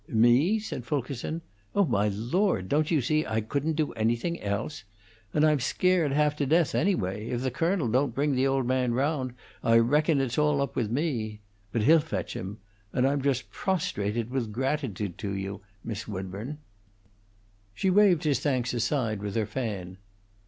"Me?" said Fulkerson. "Oh, my Lord! Don't you see I couldn't do anything else? And I'm scared half to death, anyway. If the colonel don't bring the old man round, I reckon it's all up with me. But he'll fetch him. And I'm just prostrated with gratitude to you, Miss Woodburn." She waved his thanks aside with her fan.